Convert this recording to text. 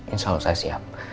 insya allah saya siap